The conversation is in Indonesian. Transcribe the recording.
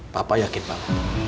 papa yakin pak